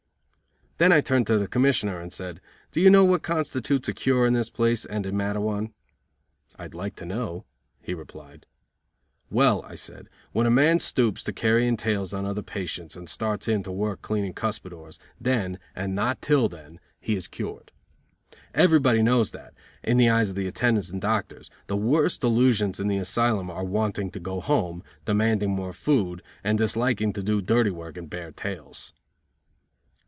Then I turned to the Commissioner and said: "Do you know what constitutes a cure in this place and in Matteawan?" "I'd like to know," he replied. "Well," I said, "when a man stoops to carrying tales on other patients and starts in to work cleaning cuspidors, then, and not till then, he is cured. Everybody knows that, in the eyes of attendants and doctors, the worst delusions in the asylum are wanting to go home, demanding more food, and disliking to do dirty work and bear tales."